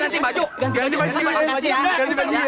ganti baju ya